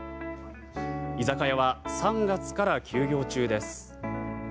居酒屋は３月から休業中です。